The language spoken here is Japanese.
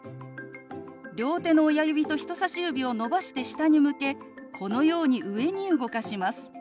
両手の親指と人さし指を伸ばして下に向けこのように上に動かします。